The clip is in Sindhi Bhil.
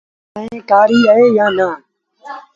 چآنه ڪآڙيٚ اهي جآن نا۔